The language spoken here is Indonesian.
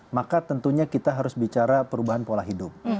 maka tentunya kita harus bicara perubahan pola hidup